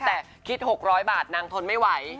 แต่คิด๖๐๐บาทนางทนไม่ไหว